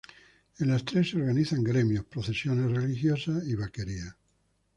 En las tres se organizan gremios, procesiones religiosas y vaquerías